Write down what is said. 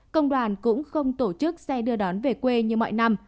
công đoàn cũng không tổ chức xe đưa đón về quê như mọi năm